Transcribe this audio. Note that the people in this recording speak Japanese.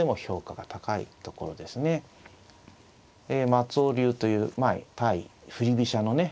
松尾流という対振り飛車のね